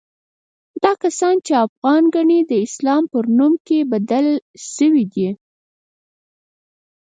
دا کسان چې افغان ګڼي، د اسلام پر نوم کې بدل شوي دي.